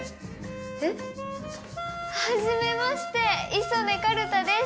えっ？はじめまして五十音かるたです。